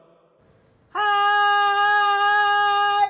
はい。